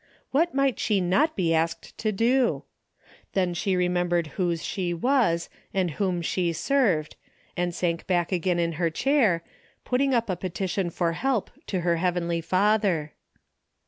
What might she not be asked to do ? Then she remembered whose she was and whom she served, and sank back again in her chair, putting up a petition for help to her heavenly Father.